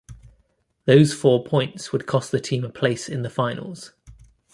Those four points would cost the team a place in the finals.